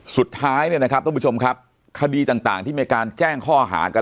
สุดท้ายเนี่ยนะครับท่านผู้ชมครับคดีต่างที่มีการแจ้งข้อหากัน